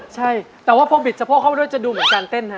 ใช่แต่ว่าพอบิดสะโพกเข้าไปด้วยจะดูเหมือนการเต้นฮะ